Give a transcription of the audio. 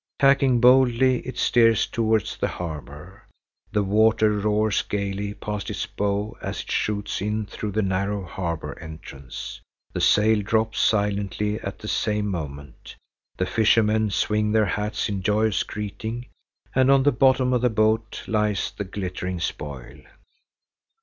Tacking boldly, it steers towards the harbor. The water roars gaily past its bow as it shoots in through the narrow harbor entrance. The sail drops silently at the same moment. The fishermen swing their hats in joyous greeting, and on the bottom of the boat lies the glittering spoil.